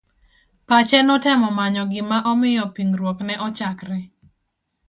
Pache notemo manyo gima omiyo pingruok ne ochakre.